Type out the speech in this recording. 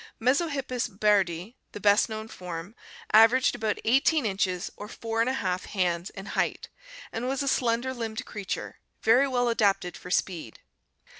Mesohippus bairdi, the best known form, averaged about 18 inches or 4K hands in height and was a slender limbed creature, very well adapted for speed.